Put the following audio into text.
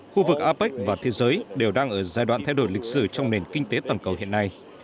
khu vực apec và thế giới đều đang ở giai đoạn thay đổi lịch sử trong nền kinh tế toàn cầu hiện nay